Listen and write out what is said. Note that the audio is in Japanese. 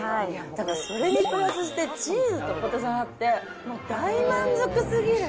だからそれにプラスして、チーズとポテサラって、もう大満足すぎる。